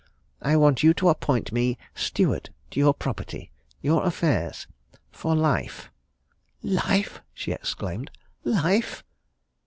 I want you to appoint me steward to your property, your affairs, for life." "Life!" she exclaimed. "Life!"